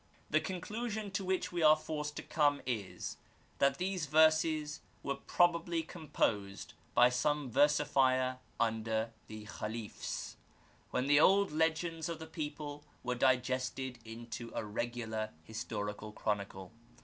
The conclusion to which we are forced to come is, that these verses were probably composed by some versifier under the Khalifs, when the old legends of the people were digested into a regular historical chronicle.